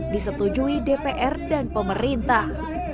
disetujui dpr dan pemerintah